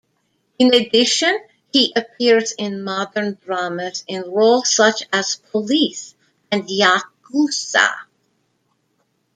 In addition, he appears in modern dramas in roles such as police and yakuza.